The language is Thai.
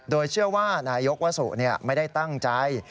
โดยเชื่อว่านายกวสุไม่ได้ตั้งใจ